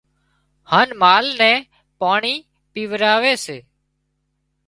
هانَ مال نين پاڻي پيئاري سي